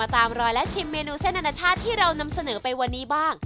ตามรอยและชิมเมนูเส้นอนาชาติที่เรานำเสนอไปวันนี้บ้าง